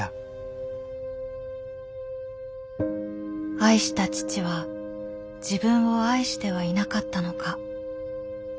愛した父は自分を愛してはいなかったのか。